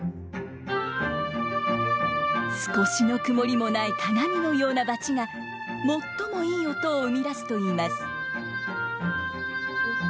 少しの曇りもない鏡のようなバチが最もいい音を生み出すといいます。